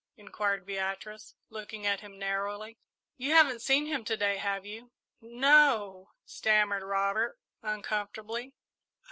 inquired Beatrice, looking at him narrowly. "You haven't seen him to day, have you?" "N no," stammered Robert, uncomfortably.